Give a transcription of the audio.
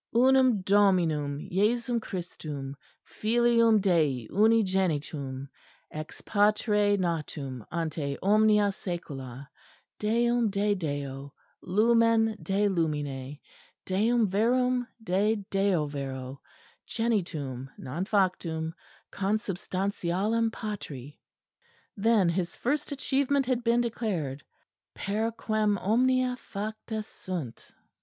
Unum Dominum Jesum Christum; Filium Dei Unigenitum; Ex Patre natum ante omnia saecula; Deum de Deo; Lumen de Lumine; Deum Verum de Deo Vero; Genitum non factum; Consubstantialem Patri. Then His first achievement had been declared; "_Per quem omnia facta sunt.